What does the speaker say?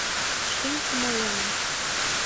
Шӱм кумылемым